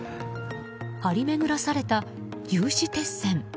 張り巡らされた有刺鉄線。